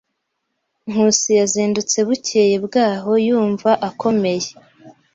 Nkusi yazindutse bukeye bwaho yumva akomeye.